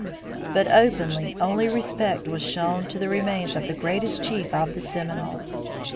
But openly only respect was shown to the remains of the greatest chief of the Seminoles.